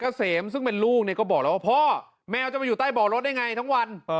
เกษมซึ่งเป็นลูกเนี่ยก็บอกแล้วว่าพ่อแมวจะไปอยู่ใต้บ่อรถได้ไงทั้งวัน